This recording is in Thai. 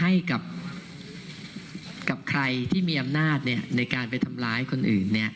ให้กับใครที่มีอำนาจเนี่ยในการไปทำร้ายคนอื่นเนี่ย